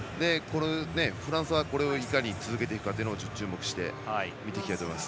フランスはいかに続けていくか注目して見ていきたいです。